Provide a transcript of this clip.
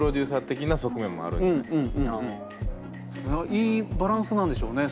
いいバランスなんでしょうね